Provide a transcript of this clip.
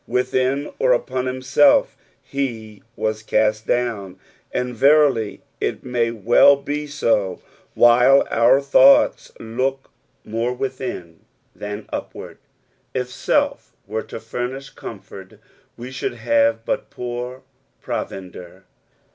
Within or upon himself he was caat down ; and, verily, it ma; well be bo, while our thoughts look more withiD thaQ upward. If self were to furnish comfort, we should haTO but poor provender.